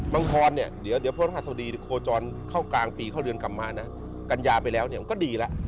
งพรเนี่ยเดี๋ยวพระหัสดีโคจรเข้ากลางปีเข้าเรือนกลับมานะกัญญาไปแล้วเนี่ยมันก็ดีแล้ว